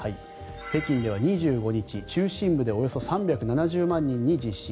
北京では２５日、中心部でおよそ３７０万人に実施。